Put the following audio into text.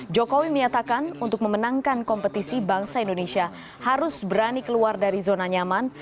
jokowi menyatakan untuk memenangkan kompetisi bangsa indonesia harus berani keluar dari zona nyaman